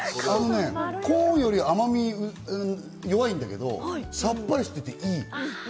コーンより甘みが弱いんだけれども、さっぱりしてていい。